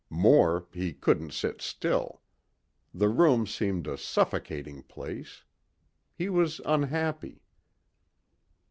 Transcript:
More, he couldn't sit still. The room seemed a suffocating place. He was unhappy.